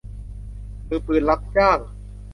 มือปืนรับจ้าง